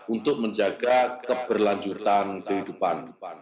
untuk menjaga keberlangsungan hidup kita